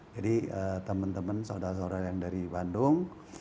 jadi teman teman saudara saudara yang dari bandung